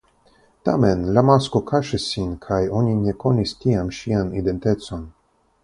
Tamen la masko kaŝis sin kaj oni ne konis tiam ŝian identecon.